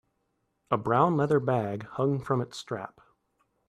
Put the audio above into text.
A brown leather bag hung from its strap.